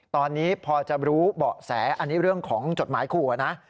ตอนนี้พอจะรู้เบาะแสอันนี้เรื่องของจดหมายขู่นะ